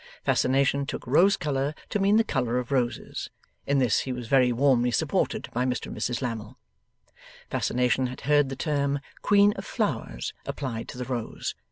Fascination took rose colour to mean the colour of roses. (In this he was very warmly supported by Mr and Mrs Lammle.) Fascination had heard the term Queen of Flowers applied to the Rose.